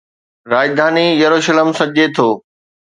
راڄڌاني يروشلم سڏجي ٿو